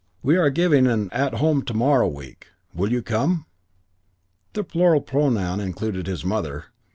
We are giving an At Home to morrow week. You will come." The plural pronoun included his mother.